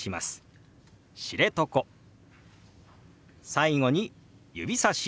最後に指さし。